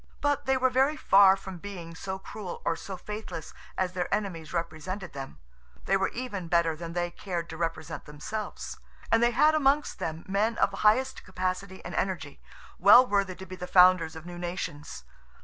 But they were very far from being so cruel or so faithless as their enemies represented them; they were even better than they cared to represent themselves. And they had amongst them men of the highest capacity and energy, well worthy to be the founders of new nations.